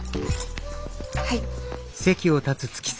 はい。